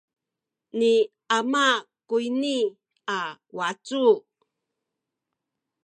ni ama kuyni a wacu.